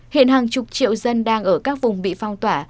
hiện hàng chục triệu dân đang ở các vùng bị phong tỏa